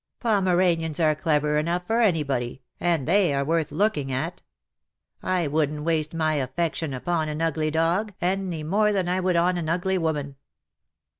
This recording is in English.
'"'" Pomeranians are clever enough for anybody, and they are worth looking at. I wouldn't waste my affection upon an ugly dog any more than I would on an ugly woman.